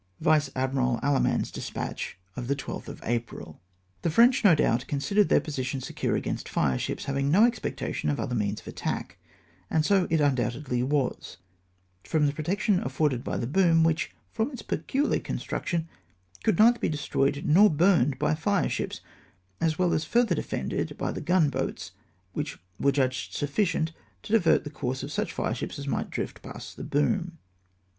— Vice Admiral AllemmuVs Despatch of the 12th of April. The French, no doubt, considered their position secure against fireships, having no expectation of other means of attack ; and so it undoubtedly was, from the protection afforded by the boom, which, from its pecuhar construction, could neither be destroyed nor burned by fireships — as well as fiurther defended by the guard boats, which were judged sufficient to cUvert the com^se of such fireships as might drift past the boom.